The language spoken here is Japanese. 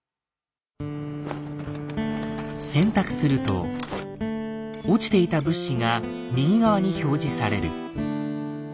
選択すると落ちていた物資が右側に表示される。